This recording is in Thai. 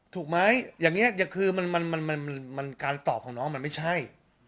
ถูกไหมอย่างงี้อย่างคือมันมันมันมันการตอบของน้องมันไม่ใช่